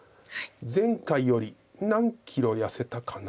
前回より何キロやせたかな？